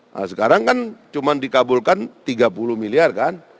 nah sekarang kan cuma dikabulkan tiga puluh miliar kan